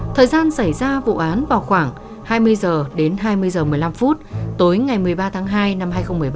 thời gian xảy ra vụ án vào khoảng hai mươi h đến hai mươi h một mươi năm tối ngày một mươi ba tháng hai năm hai nghìn một mươi ba